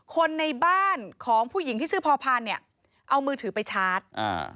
คนในบ้านของผู้หญิงที่ชื่อพอพานเนี่ยเอามือถือไปชาร์จอ่า